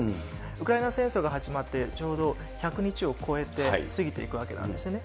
ウクライナ戦争が始まって、ちょうど１００日を超えて、過ぎていくわけなんですね。